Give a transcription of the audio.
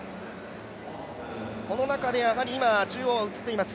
この中ではやはり、中央に映っています